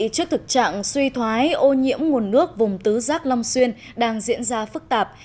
trước thực trạng suy thoái ô nhiễm nguồn nước vùng tứ giác long xuyên đang diễn ra phức tạp